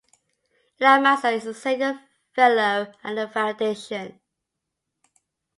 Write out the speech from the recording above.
Eilat Mazar is a senior fellow at the foundation.